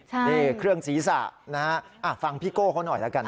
ใช่นี่เครื่องศีรษะนะฮะฟังพี่โก้เขาหน่อยแล้วกัน